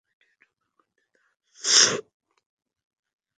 দাঁড়াও, দাঁড়াও, আমাকে এই ভিডিওটুকু করতে দাও।